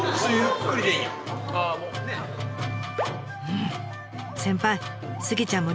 うん！